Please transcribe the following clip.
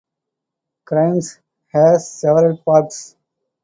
Grimes has several parks.